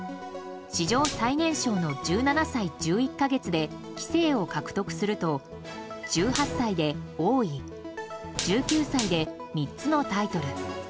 史上最年少の１７歳１１か月で棋聖を獲得すると１８歳で王位１９歳で３つのタイトル。